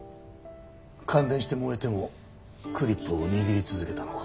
感電して燃えてもクリップを握り続けたのか。